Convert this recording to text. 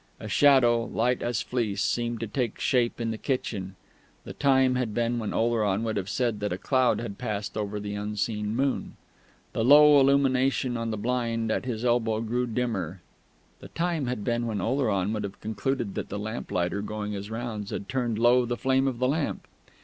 A shadow, light as fleece, seemed to take shape in the kitchen (the time had been when Oleron would have said that a cloud had passed over the unseen moon). The low illumination on the blind at his elbow grew dimmer (the time had been when Oleron would have concluded that the lamplighter going his rounds had turned low the flame of the lamp).